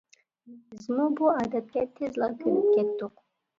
بىزمۇ بۇ ئادەتكە تېزلا كۆنۈپ كەتتۇق.